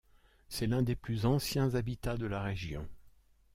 C'est l'un des plus anciens habitats de la région.